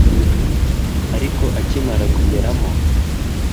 ariko akimara kugeramo